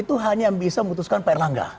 itu hanya yang bisa memutuskan pak erlangga